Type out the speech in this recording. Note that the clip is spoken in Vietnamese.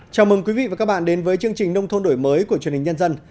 chào mừng quý vị và các bạn đến với chương trình nông thôn đổi mới của truyền hình nhân dân